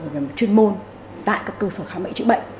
về mặt chuyên môn tại các cơ sở khám bệnh chữa bệnh